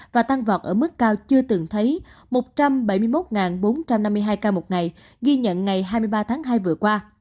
và tăng vọt ở mức cao chưa từng thấy một trăm bảy mươi một bốn trăm năm mươi hai ca một ngày ghi nhận ngày hai mươi ba tháng hai vừa qua